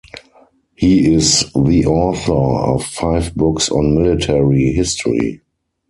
He is the author of five books on military history.